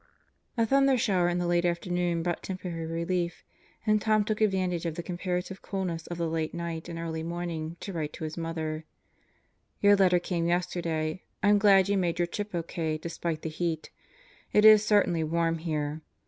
A thundershower in the late afternoon brought temporary relief and Tom took advantage of the comparative coolness of the late night and early morning to write to his mother: Your letter came yesterday. I am glad you made your trip O.K. despite the heat. It is certainly warm here.